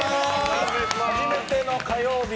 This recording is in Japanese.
初めての火曜日。